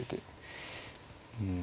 うん。